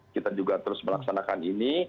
kita juga terus melaksanakan ini